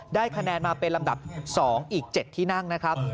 ได้คะแนนมาเป็นลำดับ๒อีก๗ที่นั่งนะครับ